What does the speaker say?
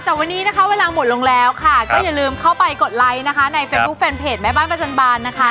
แต่วันนี้นะคะเวลาหมดลงแล้วค่ะก็อย่าลืมเข้าไปกดไลค์นะคะในเฟซบุ๊คแฟนเพจแม่บ้านประจันบานนะคะ